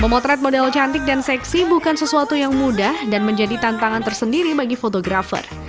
memotret model cantik dan seksi bukan sesuatu yang mudah dan menjadi tantangan tersendiri bagi fotografer